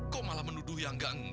kok malah menuduh yang nggak nggak